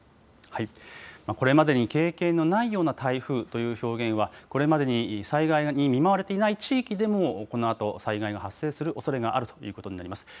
これまでに経験のないような台風という表現はこれまでに災害に見舞われていない地域でもこのあと災害が発生するおそれがあるということになります。